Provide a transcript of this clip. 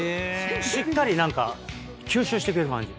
しっかり吸収してくれる感じ。